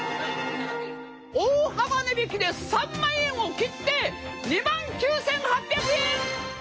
大幅値引きで３万円を切って２万９，８００円！